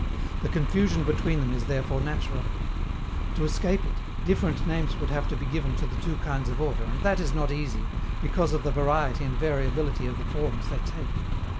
The confusion between them is therefore natural. To escape it, different names would have to be given to the two kinds of order, and that is not easy, because of the variety and variability of the forms they take.